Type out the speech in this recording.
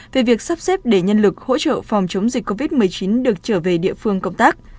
về việc sắp xếp để nhân lực hỗ trợ phòng chống dịch covid một mươi chín được trở về địa phương công tác